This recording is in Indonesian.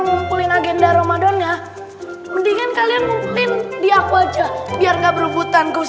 ngumpulin agenda romadonya mendingan kalian mungkin dia wajah biar enggak berhubungan